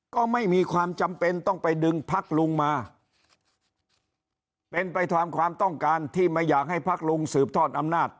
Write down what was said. ก็ไม่มีความจำเป็นต้องไปดึงพักลุงมาเป็นไปตามความต้องการที่ไม่อยากให้พักลุงสืบทอดอำนาจ